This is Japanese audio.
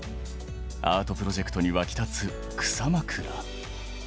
アートプロジェクトに沸き立つ「草枕」。